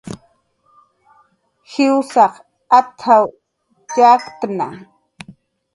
"Jwsaq at""w yakktna"